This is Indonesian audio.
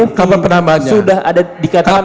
penambahan kamera di oliver sudah dikatakan